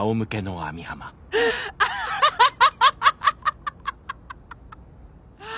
アッハハハハッ。